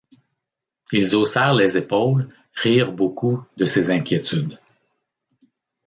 Ils haussèrent les épaules, rirent beaucoup de ses inquiétudes.